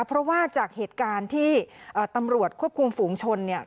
เพราะว่าจากเหตุการณ์ที่ตำรวจควบคุมฝูงชนเนี่ย